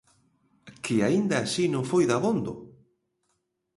¿Que aínda así non foi dabondo?